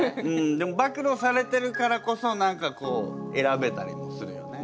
でも暴露されてるからこそ何かこう選べたりもするよね。